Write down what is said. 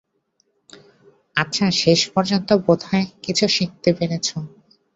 আচ্ছা, শেষপর্যন্ত বোধহয় কিছু শিখতে পেরেছো।